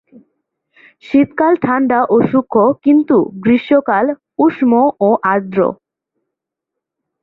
শীতকাল ঠাণ্ডা ও শুষ্ক, কিন্তু গ্রীষ্মকাল উষ্ণ ও আর্দ্র।